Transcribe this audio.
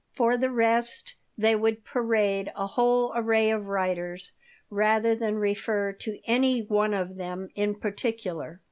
For the rest they would parade a whole array of writers rather than refer to any one of them in particular.